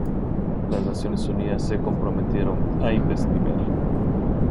Las Naciones Unidas se comprometieron a investigar.